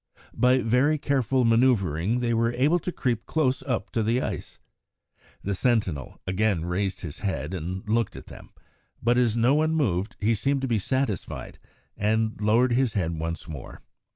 By very careful manoeuvring they were able to creep close up to the ice. The sentinel again raised his head and looked at them, but as no one moved he seemed to be satisfied and lowered his head once more.